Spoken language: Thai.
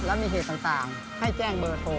แล้วมีเหตุต่างให้แจ้งเบอร์โทร